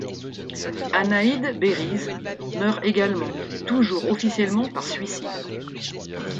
Anayde Beiriz meurt également, toujours officiellement par suicide.